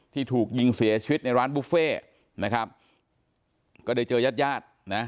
ที่ถูกยิงเสียชีวิตในร้านบุฟเฟ่นะครับก็ได้เจอยาดนะ